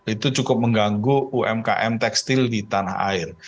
itu cukup mengganggu umkm tekstil di tanah air